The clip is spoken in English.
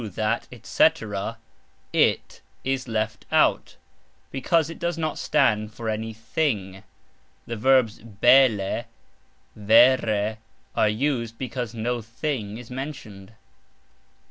it is true that..., etc., "it" is left out, because it does not stand for any "thing." The adverbs "bele", "vere", are used because no "thing" is mentioned.